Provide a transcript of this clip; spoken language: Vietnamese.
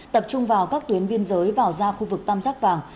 tập trung vào các tuyến biên giới vào ra khu vực tam giác vàng